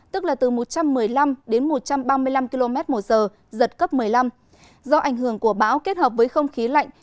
tức là từ một trăm một mươi năm đến một trăm ba mươi năm km một giờ giật cấp một mươi năm do ảnh hưởng của bão kết hợp với không khí lạnh